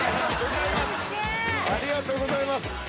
ありがとうございます。